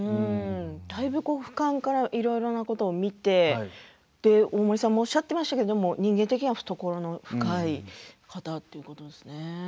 だいぶ、ふかんからいろんなことを見て大森さんもおっしゃっていましたが人間的に懐の深い方ということですね。